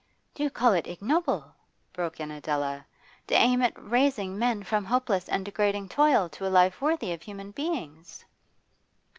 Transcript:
'Do you call it ignoble,' broke in Adela, 'to aim at raising men from hopeless and degrading toil to a life worthy of human beings?